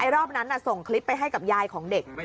รอบนั้นส่งคลิปไปให้กับยายของเด็ก